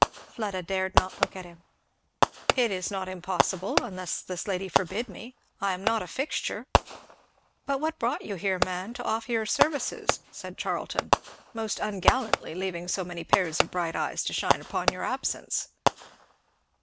Fleda dared not look at him. "It is not impossible, unless this lady forbid me. I am not a fixture." "But what brought you here, man, to offer your services?" said Charlton; "most ungallantly leaving so many pairs of bright eyes to shine upon your absence."